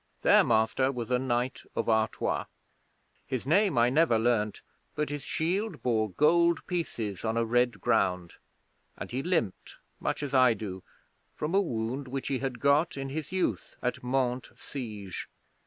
Their master was a knight of Artois. His name I never learned, but his shield bore gold pieces on a red ground, and he limped, much as I do, from a wound which he had got in his youth at Mantes siege.